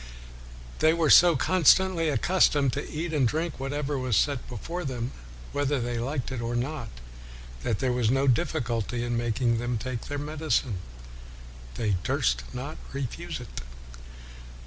They were so constantly accustomed to eat and drink what was set before them, whether they liked it or not, that there was no difficulty in making them take medicine: "they durst not refuse it.'